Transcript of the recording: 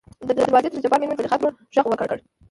د دروازې تر شا دجبار مېرمنې زليخا ترور غږ وکړ .